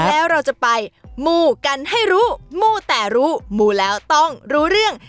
แล้วเราจะไปมูกันให้รู้มู้แต่รู้มูแล้วต้องรู้เรื่อง